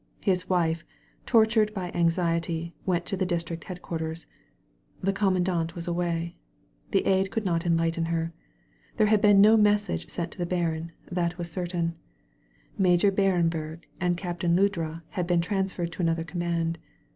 His wife, tortured by amdety, went to the district headquarters. The conunandant was away. The aide could not enlighten her. There had been no message sent to the baron — ^that was certain. Major BMrenberg and Captain Ludra had been transferred to another command.